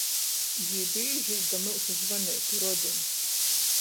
Jī bīži īt da myusu zvaneitu rodim.